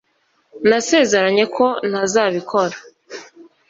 nasezeranye ko ntazabikora